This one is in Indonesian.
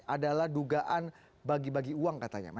adalah dugaan bagi bagi uang katanya